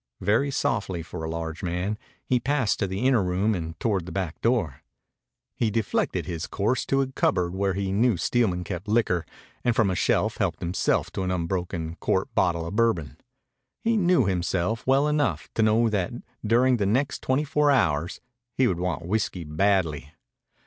Very softly for a large man, he passed to the inner room and toward the back door. He deflected his course to a cupboard where he knew Steelman kept liquor and from a shelf helped himself to an unbroken quart bottle of bourbon. He knew himself well enough to know that during the next twenty four hours he would want whiskey badly.